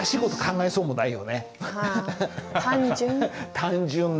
単純な。